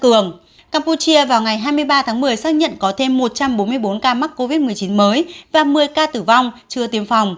campuchia vào ngày hai mươi ba tháng một mươi xác nhận có thêm một trăm bốn mươi bốn ca mắc covid một mươi chín mới và một mươi ca tử vong chưa tiêm phòng